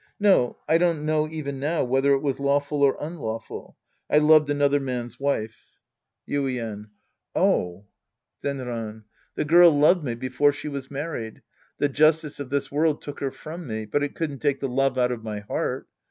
No, I don't know even now whether it was lawful or un lawful. I loved another man's wife. Sc. I The Priest and His Disciples io7 Yuien. Oh ! Zenran. The girl loved me before she was mar ried. The justice of this world took her from me But it couldn't take the love out of my heart.